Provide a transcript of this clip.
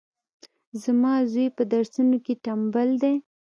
زما زوی پهدرسونو کي ټمبل دی